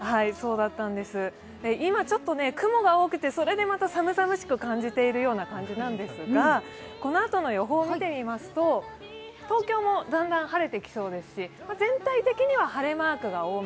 今雲が多くてそれでまた寒々しく感じている感じなんですがこのあとの予報を見てみますと、東京もだんだん晴れてきそうですし、全体的には晴れマークが多め。